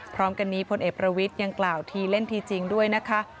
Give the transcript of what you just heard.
พร้อมกันนี้พลเอกประวิทย์ยังกล่าวทีเล่นทีจริงด้วยนะคะ